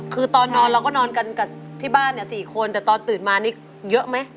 คือตอนนอนเราก็นอนกันกับที่บ้านเนี่ย๔คนแต่ตอนตื่นมานี่เยอะไหม